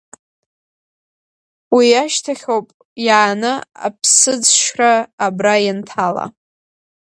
Уиашьҭахьоп иааны аԥсыӡшьра абра ианҭала…